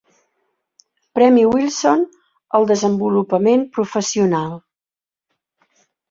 Premi Wilson al desenvolupament professional.